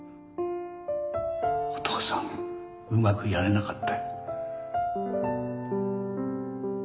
お父さんうまくやれなかったよ。